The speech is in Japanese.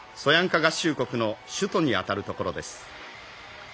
合衆国の首都に当たる所です」。